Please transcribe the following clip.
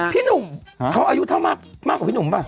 พี่หนุ่มเขาอายุเท่ามากกว่าพี่หนุ่มป่ะ